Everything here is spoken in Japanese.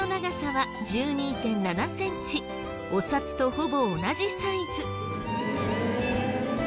お札とほぼ同じサイズ。